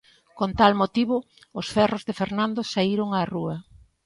Con tal motivo, os ferros de Fernando saíron á rúa.